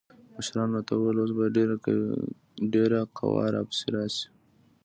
مشرانو راته وويل اوس به ډېره قوا را پسې راسي.